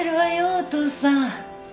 お父さん。